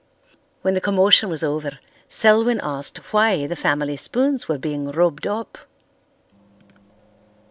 When the commotion was over Selwyn asked why the family spoons were being rubbed up.